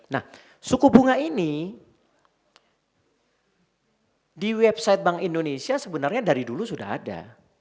nah suku bunga ini di website bank indonesia sebenarnya dari dulu sudah ada